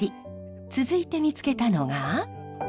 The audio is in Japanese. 続いて見つけたのが。